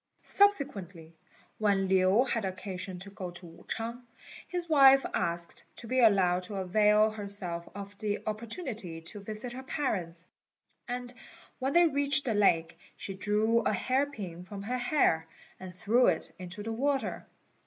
Subsequently, when Lin had occasion to go to Wu ch'ang, his wife asked to be allowed to avail herself of the opportunity to visit her parents; and when they reached the lake, she drew a hair pin from her hair, and threw it into the water.